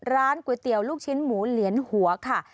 ร้านก๋วยเตี๋ยวลูกชิ้นหมูเหลียนหัวค่ะ